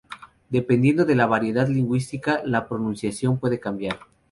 Dependiendo de la variedad lingüística la pronunciación puede cambiar.